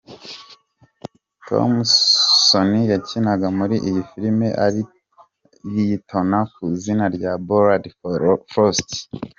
Thompson yakinaga muri iyi Filimi ari liyetona ku izina rya Barold Frost.